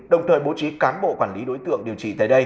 đồng thời bố trí cán bộ quản lý đối tượng điều trị tại đây